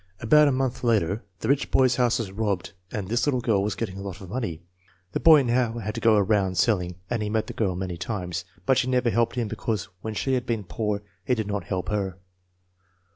About a month later the rich boy's house was robbed and this little girl was getting a lot of money. The boy now had to go around selling and he met the girl many times, but she never helped him because when she had been poor he did not help her.